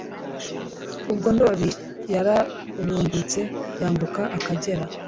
Ubwo Ndoli yarabundutse yambuka Akagera